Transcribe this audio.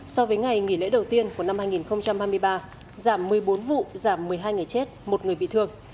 so với ngày nghỉ lễ đầu tiên của năm hai nghìn hai mươi ba giảm một mươi bốn vụ giảm một mươi hai người chết một người bị thương